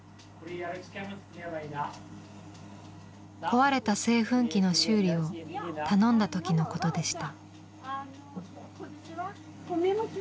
壊れた製粉機の修理を頼んだ時のことでした。